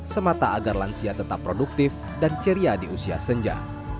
semata agar lansia tetap produktif dan ceria di usia senja